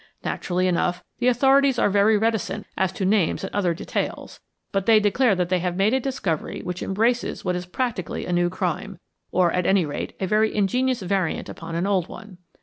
Naturally enough, the authorities are very reticent as to names and other details, but they declare that they have made a discovery which embraces what is practically a new crime, or, at any rate, a very ingenious variant upon an old one.